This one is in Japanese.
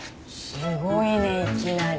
すごいねいきなり。